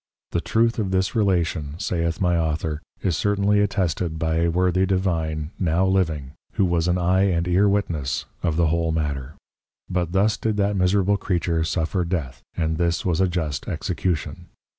The Truth of this Relation (saith my Author) is certainly attested by a worthy Divine now living, who was an Eye and an Ear Witness of the whole matter; but thus did that miserable Creature suffer Death, and this was a just Execution.